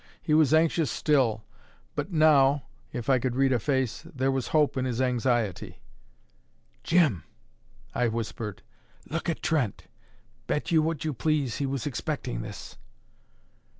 He was anxious still, but now (if I could read a face) there was hope in his anxiety. "Jim," I whispered, "look at Trent. Bet you what you please he was expecting this."